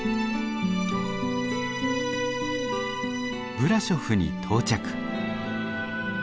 ブラショフに到着。